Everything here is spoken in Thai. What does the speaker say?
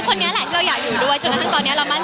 พี่เนมก็เดินสายโคนเสิร์ต